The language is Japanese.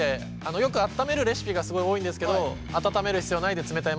よく温めるレシピがすごい多いんですけど温める必要ないんで冷たいままで大丈夫です。